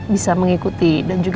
bisa mengikuti dan juga